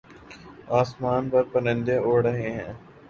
آسمان پر پرندے اڑ رہے ہیں